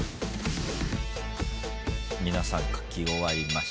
皆さん書き終わりました。